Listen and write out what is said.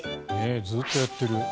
ずっとやってる。